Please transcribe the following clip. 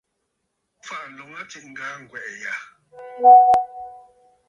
Mə bùrə kɨ fàʼà ǹloln aa ŋgaa ŋgwɛ̀ʼɛ̀ yâ.